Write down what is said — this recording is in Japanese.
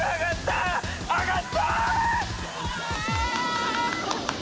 上がったー！